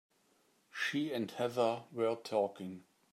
She and Heather were talking.